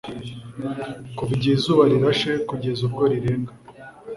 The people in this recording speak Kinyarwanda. Kuva igihe izuba rirashe kugeza ubwo rirenga